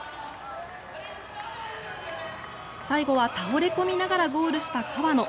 最後は倒れ込みながらゴールした川野。